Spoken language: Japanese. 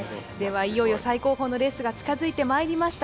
いよいよ最高峰のレースが近づいてまいりました。